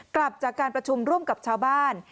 กลับจากการประชุมร่วมกับชาวบ้าน